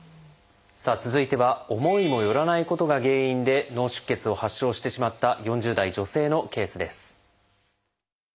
さあ続いては思いもよらないことが原因で脳出血を発症してしまった４０代女性のケースです。